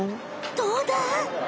どうだ？